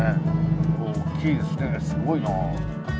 結構大きいですねすごいな。